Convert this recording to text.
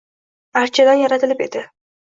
Archadan yaratilib edi.